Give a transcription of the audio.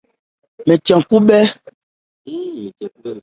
Mɛn than khú bhwá.